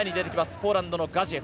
ポーランドのガジエフ。